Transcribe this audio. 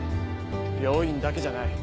病院だけじゃない。